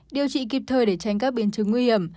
điều trị kịp thời để tránh các biến chứng nguy hiểm